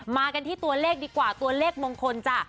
มากันที่ตัวเลขดีกว่าตัวเลขมงคลจ้ะ